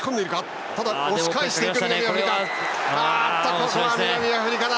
ここは南アフリカだ。